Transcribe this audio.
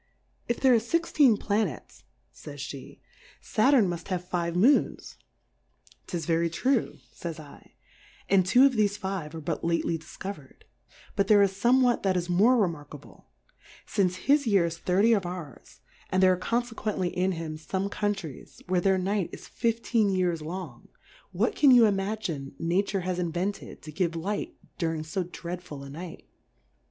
If there are fixteen VhnetSy fays JI;e^ Saturn muft have five Moons. 'Tis'^ very tKW^^fays /, and two of thefe five' are but lately difcover'd ; but there is' fomewhat that is more remarkable, iince his Year is thirty of ours, and G 3 there ii6 Difcourfes on the there are confequently in him Ibm^ Countries, where their Night is fifteen Years long ; what can you imagine Nature has invented to give Light, du ring fo dreadful a Night